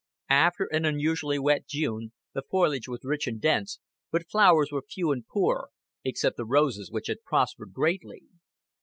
After an unusually wet June the foliage was rich and dense, but flowers were few and poor except the roses, which had prospered greatly.